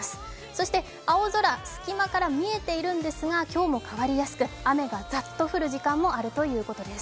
そして青空、隙間から見えているんですが今日も変わりやすく雨がザッと降る時間もあるということです。